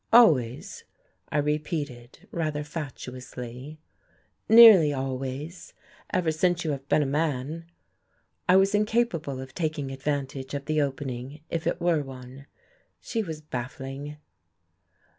"Always?" I repeated, rather fatuously. "Nearly always, ever since you have been a man." I was incapable of taking advantage of the opening, if it were one. She was baffling.